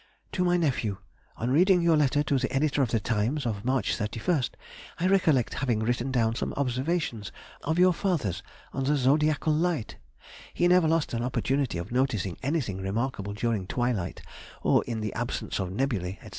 To my Nephew. On reading your letter to the editor of the Times, of March 31st, I recollect having written down some observations of your father's on the zodiacal light; he never lost an opportunity of noticing anything remarkable during twilight, or in the absence of nebulæ, &c.